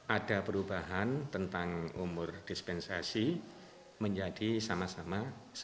ada perubahan tentang umur dispensasi menjadi sama sama sepuluh tahun